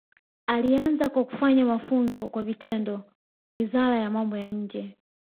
Alianza kwa kufanya mafunzo kwa vitendo kwenye Wizara ya Mambo ya Nje